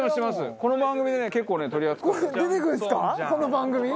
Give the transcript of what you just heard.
この番組？